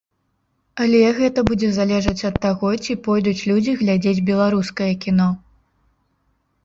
Але гэта будзе залежаць ад таго, ці пойдуць людзі глядзець беларускае кіно.